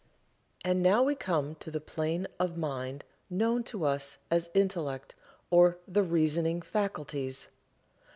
And now we come to the plane of mind known to us as Intellect or the Reasoning Faculties.